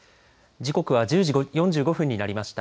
時刻は１０時４５分になりました。